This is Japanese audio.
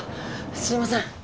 すいません。